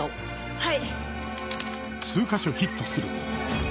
はい！